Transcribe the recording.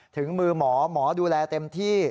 ถึงมือหมอหมอดูแลเต็มที่